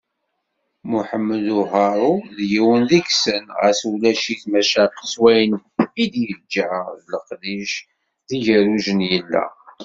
Muḥemmed Uharu d yiwen deg-sen, ɣas ulac-it, maca s wayen i d-yeǧǧa d leqdic d yigerrujen yella.